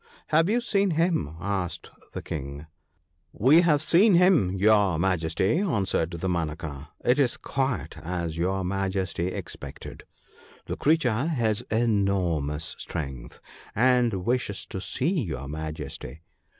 ' Have you seen him ?' asked the King. 'We have seen him, your Majesty/ answered Dama naka ;' it is quite as your Majesty expected — the creature has enormous strength, and wishes to see your Majesty.